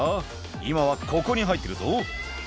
今はここに入ってるぞ」